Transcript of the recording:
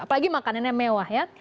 apalagi makanannya mewah ya